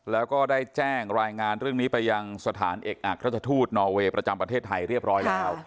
แล้วก็ได้แจ้งรายงานเรื่องนี้ไปยังสถานเอกอักราชทูตนอเวย์ประจำประเทศไทยเรียบร้อยแล้ว